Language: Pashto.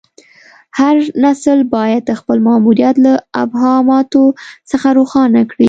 هر نسل باید خپل ماموریت له ابهاماتو څخه روښانه کړي.